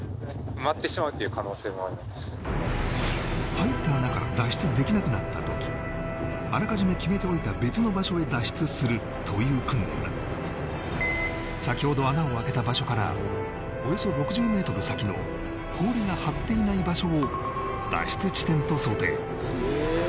入った穴から脱出できなくなったときあらかじめ決めておいた別の場所へ脱出するという訓練だ先ほど穴をあけた場所からおよそ６０ｍ先の氷が張っていない場所を脱出地点と想定